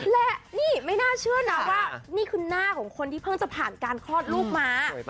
และนี่ไม่น่าเชื่อนะว่านี่คือหน้าของคนที่เพิ่งจะผ่านการคลอดลูกมา